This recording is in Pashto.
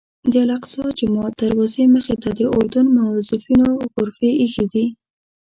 د الاقصی جومات دروازې مخې ته د اردن موظفینو غرفې ایښي دي.